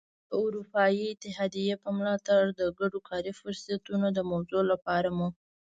د اروپايي اتحادیې په ملاتړ د ګډو کاري فرصتونو د موضوع لپاره مو.